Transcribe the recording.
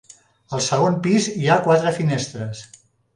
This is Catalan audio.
Al segon pis hi ha quatre finestres.